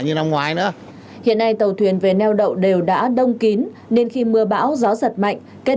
như năm ngoái nữa hiện nay tàu thuyền về neo đậu đều đã đông kín nên khi mưa bão gió giật mạnh